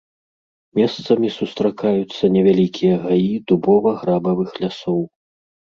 Месцамі сустракаюцца невялікія гаі дубова-грабавых лясоў.